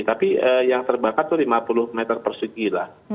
tapi yang terbakar itu lima puluh meter persegi lah